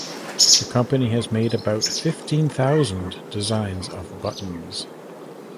The company has made about fifteen thousand designs of buttons.